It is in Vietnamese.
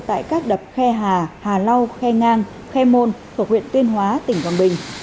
tại các đập khe hà hà lau khe ngang khe môn thuộc huyện tuyên hóa tỉnh quảng bình